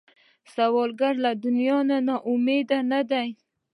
سوالګر له دنیا نه نا امیده نه دی